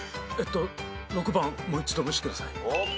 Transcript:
６番もう一度見せてください。